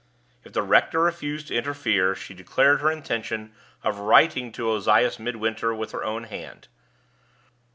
If the rector refused to interfere, she declared her intention of writing to Ozias Midwinter with her own hand.